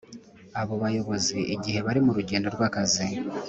abo bayobozi igihe bari mu rugendo rw’akazi